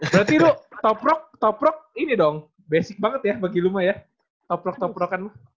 berarti lu toprock toprock ini dong basic banget ya bagi lu mah ya toprock toprokan lu